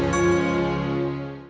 wassalamualaikum wr wb